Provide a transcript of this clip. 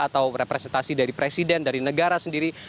atau representasi dari presiden dari negara sendiri